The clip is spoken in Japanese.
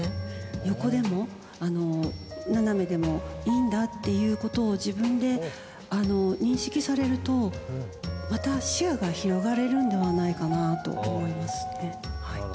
横でも、斜めでもいいんだっていうことを、自分で認識されると、また視野が広がるんではないかなと思いますね。